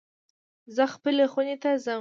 زه خپلی خونی ته ځم